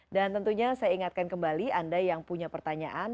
dan tentunya saya ingatkan kembali anda yang punya pertanyaan